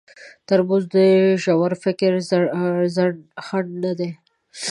ترموز د ژور فکر خنډ نه دی.